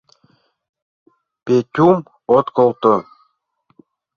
Петюм от колто.